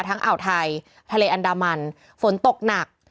อ่าวไทยทะเลอันดามันฝนตกหนัก